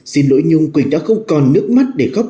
xin lỗi nhung quỳnh đã không còn nước mắt để khóc